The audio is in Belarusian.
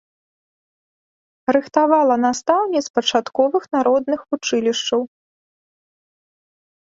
Рыхтавала настаўніц пачатковых народных вучылішчаў.